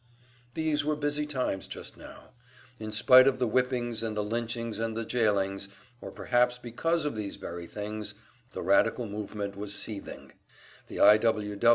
These were busy times just now. In spite of the whippings and the lynchings and the jailings or perhaps because of these very things the radical movement was seething. The I. W.